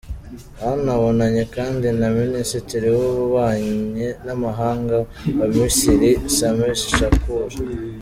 Banabonanye kandi na Minisitiri w’Ububanyi n’amahanga wa Misiri, Sameh Shoukry.